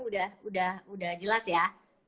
udah jelas ya